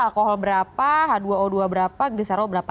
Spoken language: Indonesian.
alkohol berapa h dua o dua berapa disero berapa